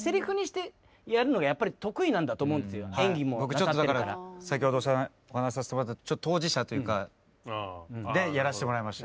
僕ちょっと先ほどお話しさせてもらった当事者というかでやらせてもらいました。